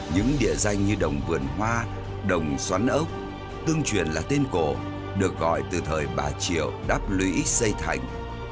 những địa danh như đồng vườn hoa đồng xoắn ốc tương truyền là tên cổ được gọi từ thời bà triệu đáp lũy xây thành